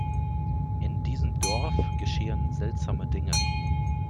In diesem Dorf geschehen seltsame Dinge!